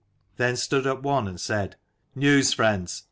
Then stood up one and said, " News, friends